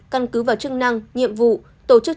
căn cứ vào chức năng nhiệm vụ tổ chức